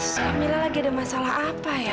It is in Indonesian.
kamila lagi ada masalah apa ya